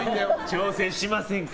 挑戦しませんか？